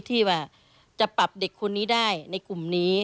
ที่ว่าจะปรับเด็กคนนี้ได้ในกลุ่มนี้